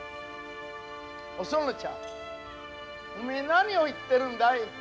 お園ちゃんおめえ何を言ってるんだい？